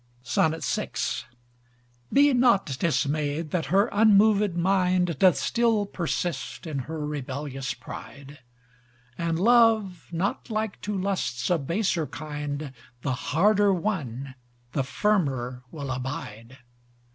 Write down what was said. VI Be not dismayed that her unmoved mind Doth still persist in her rebellious pride: And love not like to lusts of baser kind, The harder won, the firmer will abide.